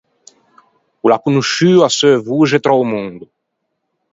O l’à conosciuo a seu voxe tra o mondo.